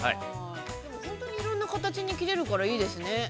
でも、本当に、いろんな形に切れるから、いいですね。